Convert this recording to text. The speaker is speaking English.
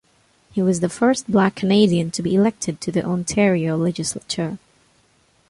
He was the first Black Canadian to be elected to the Ontario Legislature.